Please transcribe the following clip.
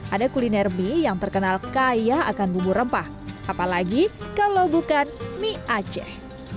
ada kuliner mie yang terkenal kaya akan bumbu rempah apalagi kalau bukan mie aceh